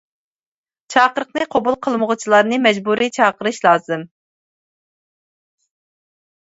چاقىرىقنى قوبۇل قىلمىغۇچىلارنى مەجبۇرىي چاقىرىش لازىم.